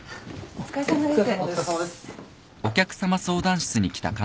お疲れさまです。